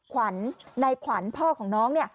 ขวัญนายขวัญพ่อของน้อง